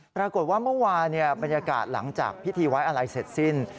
เมื่อวานบรรยากาศหลังจากพิธีไว้อะไรเสร็จสิ้น